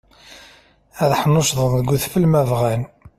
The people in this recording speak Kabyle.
Ad ḥnuccḍen deg udfel ma bɣan.